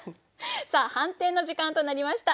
さあ判定の時間となりました。